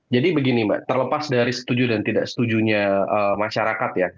jadi begini mbak terlepas dari setuju dan tidak setujunya masyarakat ya